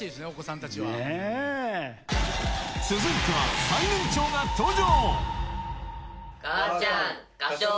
続いては最年長が登場！